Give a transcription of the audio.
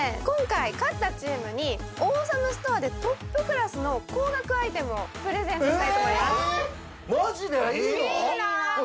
今回勝ったチームにオーサムストアでトップクラスの高額アイテムをプレゼントしたいと思います